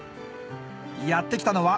やって来たのは